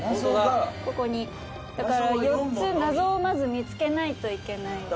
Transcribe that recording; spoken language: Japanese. ここにだから４つ謎をまず見つけないといけない